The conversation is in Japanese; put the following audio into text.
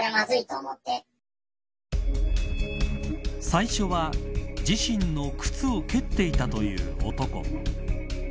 最初は自身の靴を蹴っていたという男。